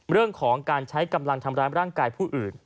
เรื่องของการใช้กำลังทำร้ายร่างกายผู้อื่น